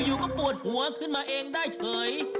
อยู่ก็ปวดหัวขึ้นมาเองได้เฉย